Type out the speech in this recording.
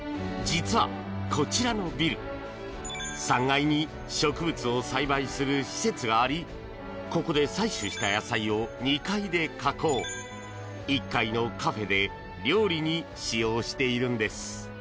実はこちらのビル３階に植物を栽培する施設がありここで採取した野菜を２階で加工１階のカフェで料理に使用しているんです。